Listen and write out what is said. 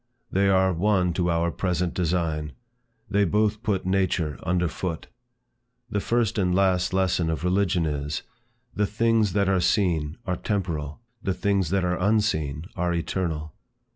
They are one to our present design. They both put nature under foot. The first and last lesson of religion is, "The things that are seen, are temporal; the things that are unseen, are eternal."